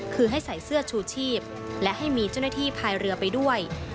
คือให้ใส่เสื้อชูชีพและให้มีเจ้าหน้าที่พายเรือไปด้วย